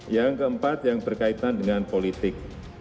yang keempat yang berkaitan dengan politik